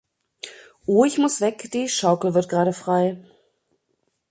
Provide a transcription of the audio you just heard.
Oh, ich muss weg, die Schaukel wird gerade frei.